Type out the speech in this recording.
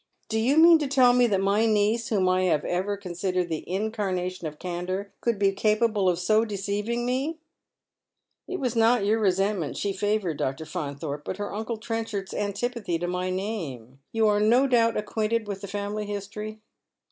" Do you mean to tell me that my niece, whom I have ever considered the incarnation of candour, could be capable of so deceiving me ?"" It was not your resentment she feared. Dr. Faunthorpe, but her uncle Trenchard's antipathy to my name. You are no doubt acquainted with the family history."